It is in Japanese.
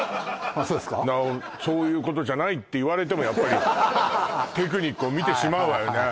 そういうことじゃないって言われてもやっぱりテクニックを見てしまうわよね